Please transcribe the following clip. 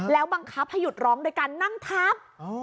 แล้วบังคับให้หยุดร้องโดยการนั่งทับ